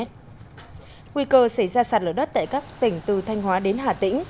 nguy cơ xảy ra sạt lở đất tại các tỉnh từ thanh hóa đến hà tĩnh